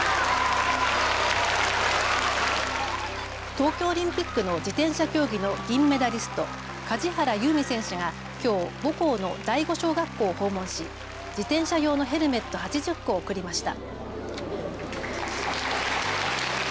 東京オリンピックの自転車競技の銀メダリスト、梶原悠未選手がきょう母校の第五小学校を訪問し自転車用のヘルメット８０個を贈りました。